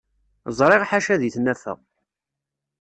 Ẓriɣ ḥaca di tnafa.